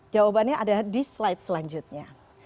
jawabannya ada di slide selanjutnya